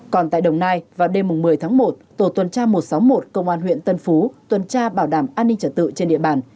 còn tại đồng nai vào đêm một mươi tháng một tổ tuần tra một trăm sáu mươi một công an huyện tân phú tuần tra bảo đảm an ninh trật tự trên địa bàn